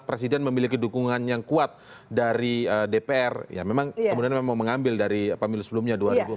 presiden memiliki dukungan yang kuat dari dpr ya memang kemudian memang mengambil dari pemilu sebelumnya dua ribu empat belas